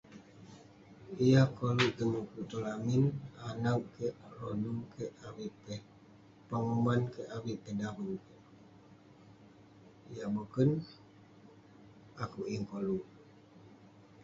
Yah koluk kek mukuk tong lamin, anag kek rodu kek, avik peh penguman, avik peh daven. Yah boken, akouk yeng koluk.